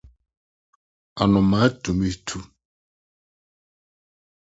Anomaa tumi tu.